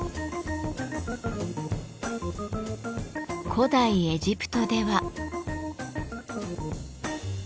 古代エジプトでは。